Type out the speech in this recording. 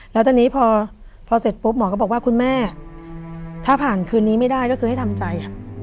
แล้วตอนนี้พอเสร็จปุ๊บหมอก็บอกว่าคุณแม่ถ้าผ่านคืนนี้ไม่ได้ก็คือให้ทำใจ